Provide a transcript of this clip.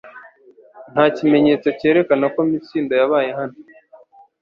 Nta kimenyetso cyerekana ko Mitsindo yabaye hano